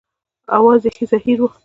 اواز یې زهیر و.